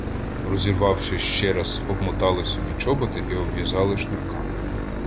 Розрізавши ще раз, обмотали собі чоботи і обв'язали шнурками.